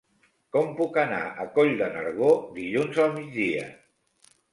Com puc anar a Coll de Nargó dilluns al migdia?